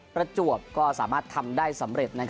ประจวบก็สามารถทำได้สำเร็จ